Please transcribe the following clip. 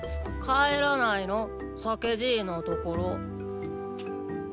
かえらないのさけじいのところ。